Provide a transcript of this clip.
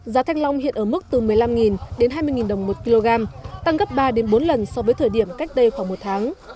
giá thanh long hiện ở mức từ một mươi năm đến hai mươi đồng một kg tăng gấp ba bốn lần so với thời điểm cách đây khoảng một tháng